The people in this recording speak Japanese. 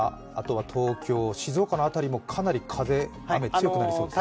東京、静岡の辺りもかなり風・雨強くなりそうですか。